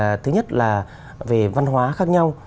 bởi vì thứ nhất là về văn hóa khác nhau